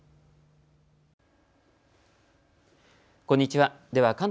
こんにちは。